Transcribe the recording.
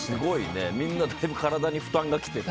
みんなだいぶ体に負担がきてる。